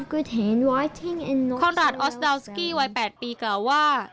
คอนรัทออสดาวสกี้วัย๘ปีกล่าวว่า